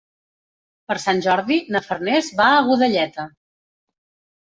Per Sant Jordi na Farners va a Godelleta.